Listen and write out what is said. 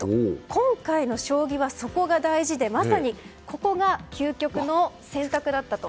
今回の将棋は、そこが大事でまさにここが究極の選択だったと。